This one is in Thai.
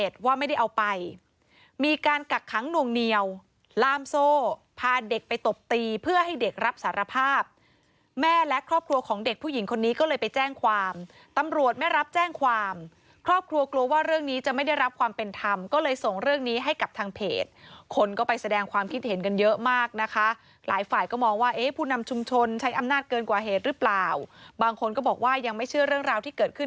แม่และครอบครัวของเด็กผู้หญิงคนนี้ก็เลยไปแจ้งความตำรวจไม่รับแจ้งความครอบครัวกลัวว่าเรื่องนี้จะไม่ได้รับความเป็นธรรมก็เลยส่งเรื่องนี้ให้กับทางเพจคนก็ไปแสดงความคิดเห็นกันเยอะมากนะคะหลายฝ่ายก็มองว่าเอ๊ะผู้นำชุมชนใช้อำนาจเกินกว่าเหตุหรือเปล่าบางคนก็บอกว่ายังไม่เชื่อเรื่องราวที่เกิดขึ้น